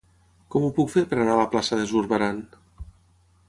Com ho puc fer per anar a la plaça de Zurbarán?